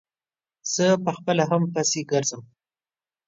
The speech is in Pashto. زه په خپله هم پسې ګرځم.